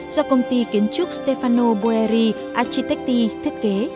do công ty kiến trúc stefano boeri architekti thiết kế